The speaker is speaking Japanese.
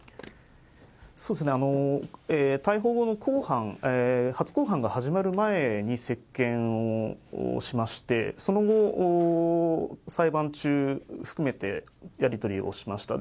そうですね、逮捕後の公判、初公判が始まる前に接見をしまして、その後、裁判中含めてやり取りをしました。